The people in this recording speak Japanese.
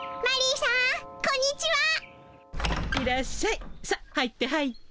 さ入って入って。